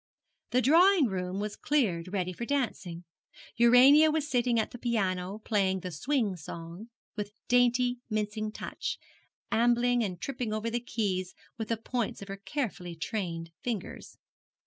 The drawing room was cleared ready for dancing. Urania was sitting at the piano playing the Swing Song, with dainty mincing touch, ambling and tripping over the keys with the points of her carefully trained fingers.